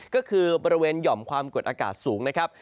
ก็คือบริเวณหย่อมความกดอากาศสูงนะครับ